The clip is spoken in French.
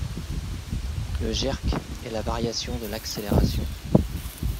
Le jerk est la variation de l'accélération.